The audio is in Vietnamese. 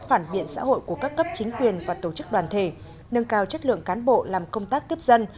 phản biện xã hội của các cấp chính quyền và tổ chức đoàn thể nâng cao chất lượng cán bộ làm công tác tiếp dân